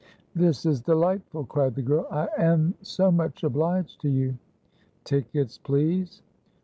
"This is delightful!" cried the girl. "I am so much obliged to you!" "Tickets, please."